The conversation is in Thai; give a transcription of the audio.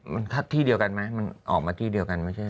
มันที่เดียวกันไหมมันออกมาที่เดียวกันไม่ใช่